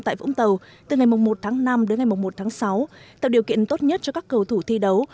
tại vũng tàu từ ngày một tháng năm đến ngày một tháng sáu tạo điều kiện tốt nhất cho các cầu thủ thi đấu